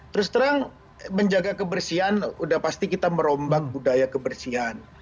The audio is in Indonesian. terus terang menjaga kebersihan udah pasti kita merombak budaya kebersihan